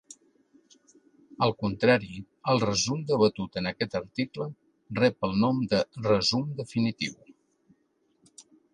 Al contrari, el resum debatut en aquest article rep el nom de "resum definitiu".